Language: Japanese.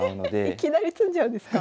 いきなり詰んじゃうんですか？